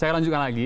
saya lanjutkan lagi